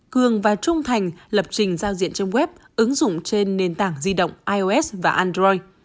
cường và trung thành lập trình giao diện trong web ứng dụng trên nền tảng di động ios và android